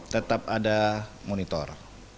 tetap ada monitor